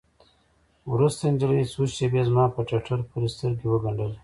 وروسته نجلۍ څو شېبې زما په ټټر پورې سترګې وگنډلې.